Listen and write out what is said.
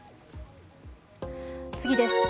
次です。